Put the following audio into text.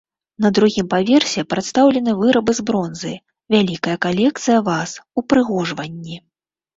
На другім паверсе прадстаўлены вырабы з бронзы, вялікая калекцыя ваз, упрыгожванні.